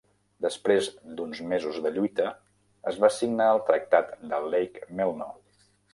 Després d'uns mesos de lluita, es va signar el Tractat de Lake Melno.